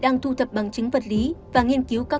đầu tháng ba này